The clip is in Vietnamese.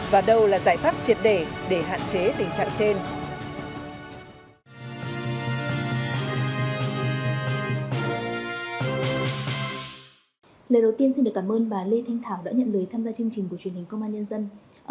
và đâu là giải pháp triệt để để hạn chế tình trạng trên